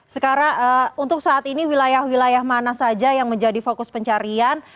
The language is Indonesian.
sekarang untuk saat ini wilayah wilayah mana saja yang menjadi fokus pencarian